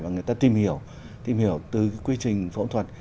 và người ta tìm hiểu tìm hiểu từ quy trình phẫu thuật